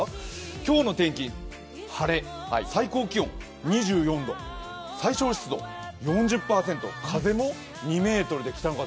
今日の天気、晴れ、最高気温２４度、最小湿度４０％、風も２ｍで北風。